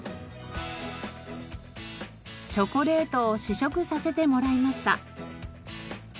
チョコレートを試食させてもらいました。